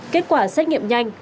kết quả xét nghiệm nhanh